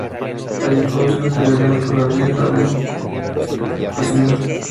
Allí conoció al general Polavieja, del que fue secretario personal.